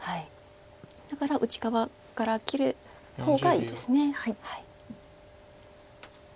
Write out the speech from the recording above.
だから内側から切る方がいいです。